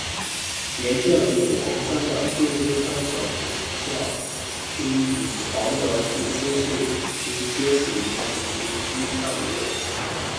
沿着永田川的旧宫川小学校校区与皇德寺新市区皆属于其学区范围内。